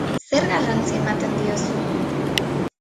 Zer garrantzi ematen diozu?